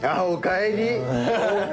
おかえり。